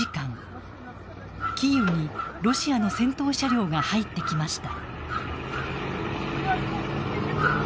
キーウにロシアの戦闘車両が入ってきました。